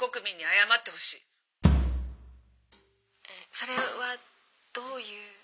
「それはどういう」。